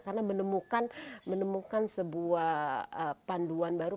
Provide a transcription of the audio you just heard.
dan menemukan sebuah panduan baru